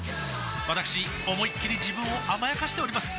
わたくし思いっきり自分を甘やかしております